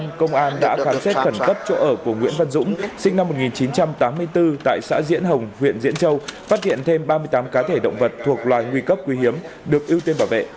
cơ quan công an đã khám xét khẩn cấp chỗ ở của nguyễn văn dũng sinh năm một nghìn chín trăm tám mươi bốn tại xã diễn hồng huyện diễn châu phát hiện thêm ba mươi tám cá thể động vật thuộc loài nguy cấp quý hiếm được ưu tiên bảo vệ